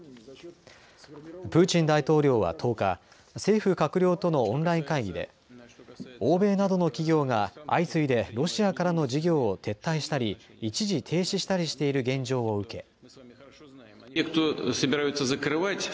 プーチン大統領は１０日政府閣僚とのオンライン会議で欧米などの企業が相次いでロシアからの事業を撤退したり一時停止したりしている現状を受け。